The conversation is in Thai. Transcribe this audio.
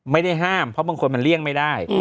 ไม่ได้ห้ามเพราะบางคนมันเลี่ยงไม่ได้